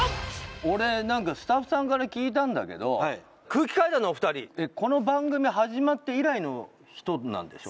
俺何かスタッフさんから聞いたんだけど空気階段のお二人ってこの番組始まって以来の人なんでしょ？